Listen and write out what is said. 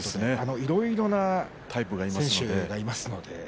いろいろなタイプがいますので。